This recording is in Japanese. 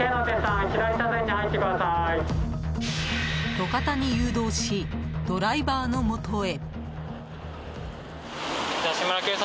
路肩に誘導しドライバーのもとへ。